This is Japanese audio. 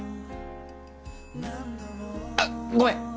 あっごめん！